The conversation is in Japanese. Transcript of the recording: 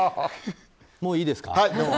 もういいですか。